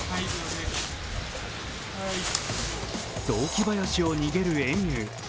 雑木林を逃げるエミュー。